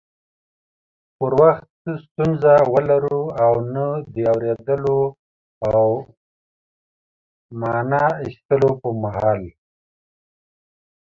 پر وخت ستونزه ولرو او نه د اوريدلو او معنی اخستلو پر مهال